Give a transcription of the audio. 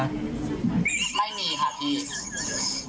ไม่มีค่ะพี่